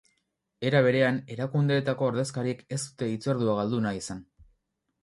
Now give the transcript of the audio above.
Era berean, erakundeetako ordezkariek ez dute hitzordua galdu nahi izan.